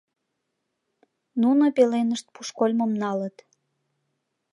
Нуно пеленышт пушкольмым налыт!